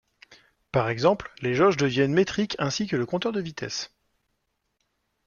Par exemple, les jauges deviennent métriques ainsi que le compteur de vitesse.